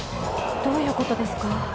どういうことですか？